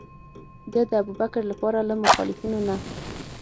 ده د ابوبکر لپاره له مخالفینو نه.